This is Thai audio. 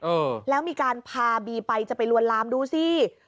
เออแล้วมีการพาบีไปจะไปลวนลามดูสิ